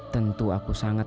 tentu aku sangat